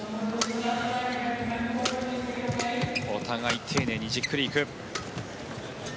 お互いに丁寧にじっくり行く。